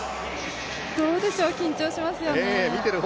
どうでしょう、緊張しますよね。